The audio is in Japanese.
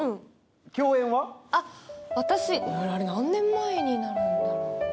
あっ私あれ何年前になるんだろう。